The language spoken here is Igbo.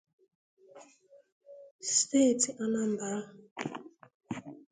steeti Anambra